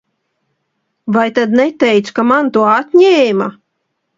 Vai tad neteicu, ka man to atņēma?